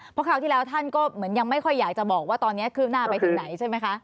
เพราะคราวที่แล้วท่านก็เหมือนยังไม่ค่อยอยากจะบอกว่าตอนนี้คืบหน้าไปถึงไหนใช่ไหมคะ